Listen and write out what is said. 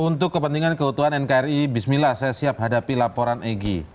untuk kepentingan keutuhan nkri bismillah saya siap hadapi laporan eg